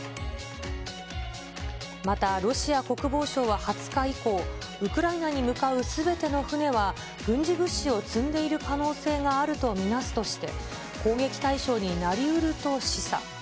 また、ロシア国防省は２０日以降、ウクライナに向かうすべての船は、軍事物資を積んでいる可能性があると見なすとして、攻撃対象になりうると示唆。